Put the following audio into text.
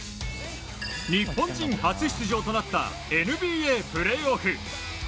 日本人初出場となったＮＢＡプレーオフ。